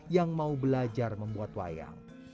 yang mau belajar membuat wayang